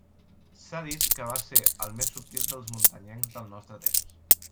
S'ha dit que va ser el més subtil dels muntanyencs del nostre temps.